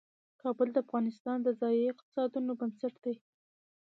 کابل د افغانستان د ځایي اقتصادونو بنسټ دی.